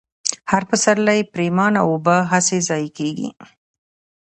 هر پسرلۍ پرېمانه اوبه هسې ضايع كېږي،